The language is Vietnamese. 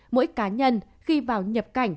mỗi cá nhân khi vào nhập cảnh